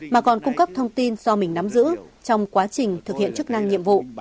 mà còn cung cấp thông tin do mình nắm giữ trong quá trình thực hiện chức năng nhiệm vụ